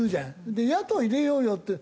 で野党入れようよって。